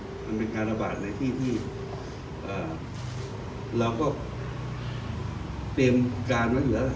ไม่มีนะครับมันเป็นการระบาดในที่ที่อ่าเราก็เตรียมการไว้อยู่แล้วล่ะ